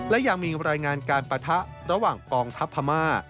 และยังมีรายงานการปะทะระหว่างกองทัพพม่า